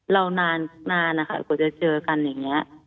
เรานานนะคะกว่าจะเจอกันอย่างนี้